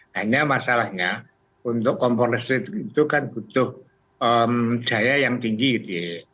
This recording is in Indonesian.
hanya masalahnya untuk kompor listrik itu kan butuh daya yang tinggi gitu ya